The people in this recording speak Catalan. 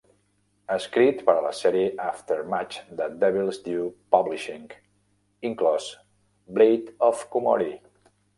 Ha escrit per a la serie Aftermath de Devil's Due Publishing, inclòs "Blade of Kumori".